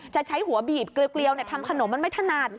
ใช้หัวบีบเกลียวทำขนมมันไม่ถนัด